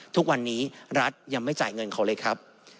ทุกวันนี้รัฐยังไม่จ่ายเงินเขาเลยครับ